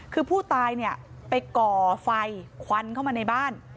คือผู้ตายเนี่ยไปก่อไฟควันเข้ามาในบ้าน